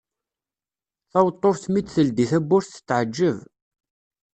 Taweṭṭuft mi d-teldi tawwurt tettɛeǧǧeb.